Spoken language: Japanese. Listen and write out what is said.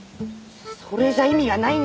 それじゃ意味がないんです。